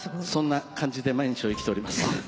そんな感じで毎日を生きております。